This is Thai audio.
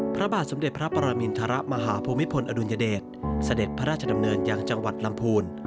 พระบาทสมเด็จพระปรมินทรมาหาภูมิพลอดุลยเดชเสด็จพระราชดำเนินยังจังหวัดลำพูน